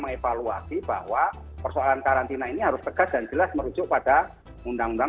mengevaluasi bahwa persoalan karantina ini harus tegas dan jelas merujuk pada undang undang